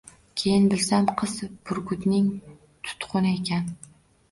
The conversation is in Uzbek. Keyin bilsam, qiz burgutning tutquni ekan